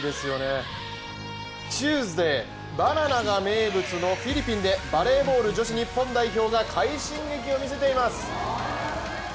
チューズデーバナナが名物のフィリピンでバレーボール女子日本代表が快進撃をみせています。